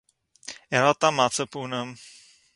ער האָט אַ מצה–פּנים.